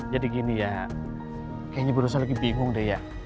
jadi gini ya kayaknya bu rosa lagi bingung deh ya